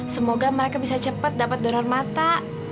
semoga mereka bisa cepat dapat donor mata